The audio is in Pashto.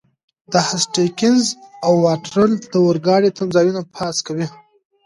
د هسټینګز او واټرلو د اورګاډي تمځایونه پاس کوئ.